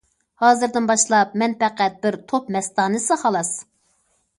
ھازىردىن باشلاپ مەن پەقەت بىر توپ مەستانىسى خالاس.